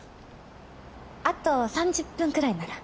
あと３０分くらいなら。